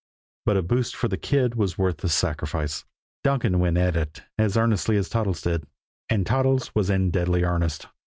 But a boost for the kid was worth a sacrifice. Donkin went at it as earnestly as Toddles did and Toddles was in deadly earnest.